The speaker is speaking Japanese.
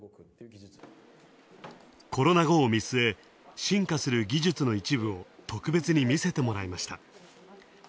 コロナ後をみすえ、進化する技術の進化を特別に見せてもらいました。